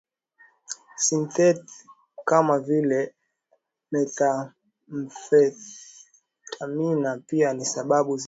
sintheti kama vile methamphetamini pia ni sababu zinazochangia